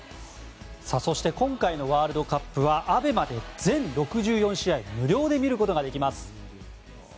そして今回のワールドカップはＡＢＥＭＡで全６４試合無料で見ることができます。